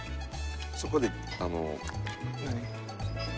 そこであの。